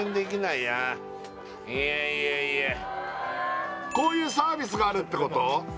いやいやこういうサービスがあるってこと？